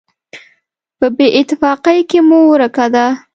په بېاتفاقۍ کې مو ورکه ده.